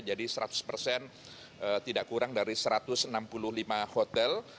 jadi seratus persen tidak kurang dari satu ratus enam puluh lima hotel